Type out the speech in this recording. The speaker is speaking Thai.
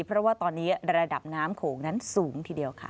เพราะว่าตอนนี้ระดับน้ำโขงนั้นสูงทีเดียวค่ะ